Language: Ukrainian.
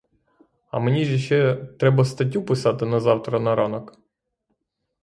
А мені ж іще треба статтю писати на завтра на ранок.